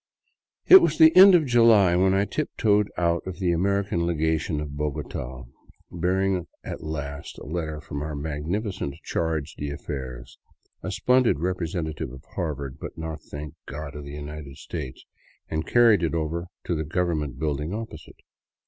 ^' It was the end of July when I tiptoed out of the American Legation of Bogota, bearing at last a letter from our magnificent charge d'affaires — a splendid representative of Harvard, but not, thank God, of the United States — and carried it over to the government build ing opposite.